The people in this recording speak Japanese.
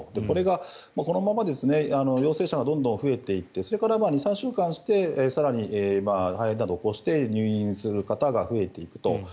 これがこのまま陽性者がどんどん増えていってそれから２３週間して更に肺炎などを起こして入院する方が増えていくと。